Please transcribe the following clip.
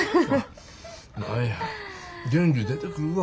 何や元気出てくるわ。